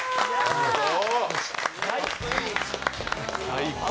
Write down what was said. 最高！